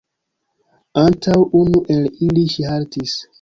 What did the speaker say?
Antaŭ unu el ili ŝi haltis.